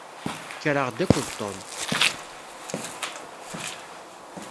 Kkreɣ-d akked Tom.